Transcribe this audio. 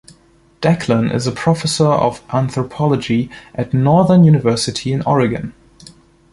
Declan is a Professor of Anthropology at Northern University in Oregon.